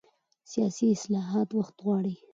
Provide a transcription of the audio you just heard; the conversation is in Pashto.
سیاسي اصلاحات وخت غواړي